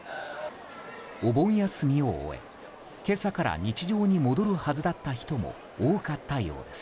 お盆休みを終え、今朝から日常に戻るはずだった人も多かったようです。